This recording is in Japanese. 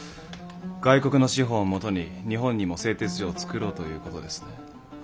外国の資本をもとに日本にも製鉄所を作ろうということですね。